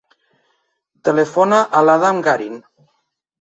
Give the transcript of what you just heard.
Telefona a l'Adam Garin.